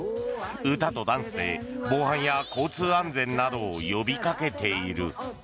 歌とダンスで防犯や交通安全などを呼びかけている。